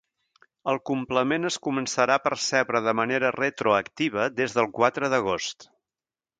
El complement es començarà a percebre de manera retroactiva des del quatre d’agost.